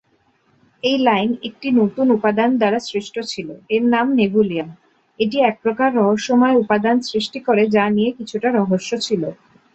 এই লাইন একটি নতুন উপাদান দ্বারা সৃষ্ট ছিল, এর নাম নেভুলিয়াম, এটি একপ্রকার রহস্যময় উপাদান সৃষ্টি করে যা নিয়ে কিছুটা রহস্য ছিল।